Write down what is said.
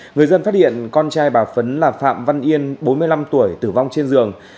người dân phát hiện con trai bà phấn là phạm văn yên bốn mươi năm tuổi tử vong trên giường